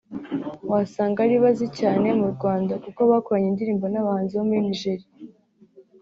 wasanga ari bo azi cyane mu Rwanda kuko bakoranye indirimbo n’abahanzi bo muri Nigeria